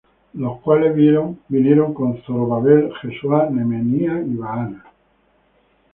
Los cuales vinieron con Zorobabel, Jesuá, Nehemías, y Baana.